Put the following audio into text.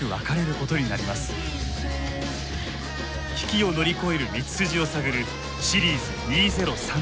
危機を乗り越える道筋を探る「シリーズ２０３０」。